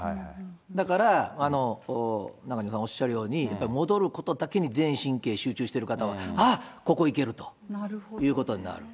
だから、中島さんおっしゃるように、戻ることだけに全神経集中してる方は、ああ、ここ行けるということになる。